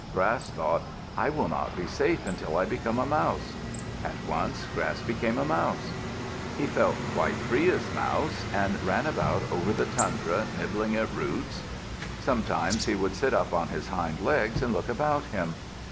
Grass thought, "I will not be safe until I become a Mouse." At once Grass became Mouse. He felt quite free as Mouse, and ran around over the tundra, nibbling at roots. Sometimes he would sit up on his hind legs and look about him.